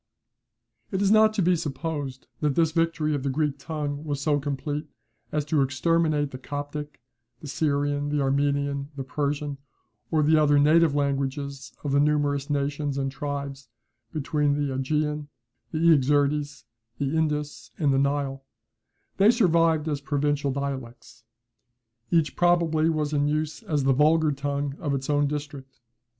It is not to be supposed that this victory of the Greek tongue was so complete as to exterminate the Coptic, the Syrian, the Armenian, the Persian, or the other native languages of the numerous nations and tribes between the AEgean, the Iaxertes, the Indus, and the Nile; they survived as provincial dialects. Each probably was in use as the vulgar tongue of its own district.